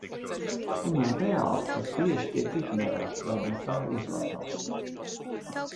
Tomēr reāli tas bieži tiek ignorēts vai no tā izvairās.